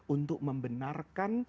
untuk membenarkan kita